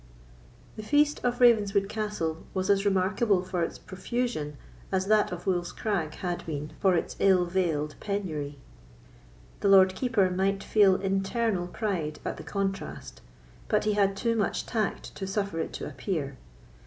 The feast of Ravenswood Castle was as remarkable for its profusion as that of Wolf's Crag had been for its ill veiled penury. The Lord Keeper might feel internal pride at the contrast, but he had too much tact to suffer it to appear.